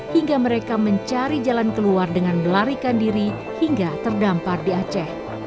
hingga mereka mencari jalan keluar dengan melarikan diri hingga terdampar di aceh